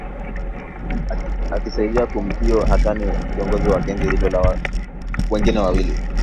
akisaidia kumtia hatiani kiongozi wa genge hilo na wengine wawili